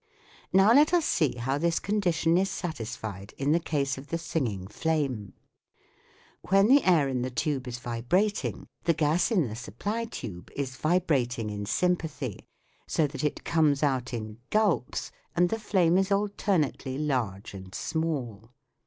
Now let us see how this condition is satisfied in the case of the singing flame. When the air in the tube is vibrating the gas in the supply tube is vibrating in sympathy, so that it comes out in gulps and the flame is alternately large and small.